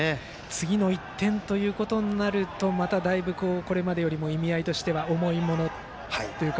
次の１点となるとまただいぶ、これまでよりも意味合いとしては重いものというか。